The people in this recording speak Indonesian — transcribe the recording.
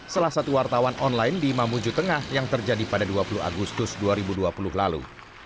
salah satu wartawan online di mamuju tengah yang terjadi pada dua puluh agustus dua ribu dua puluh lalu